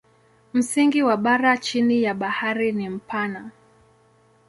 Msingi wa bara chini ya bahari ni mpana.